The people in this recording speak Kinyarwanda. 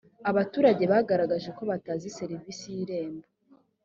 abaturage bagaragaje ko batazi serivisi y’irembo